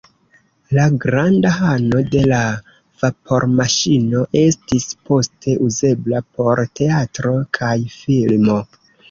La granda halo de la vapormaŝino estis poste uzebla por teatro kaj filmo.